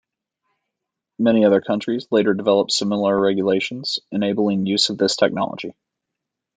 Many other countries later developed similar regulations, enabling use of this technology.